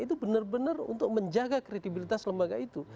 itu benar benar untuk menjaga kredibilitas lembaga itu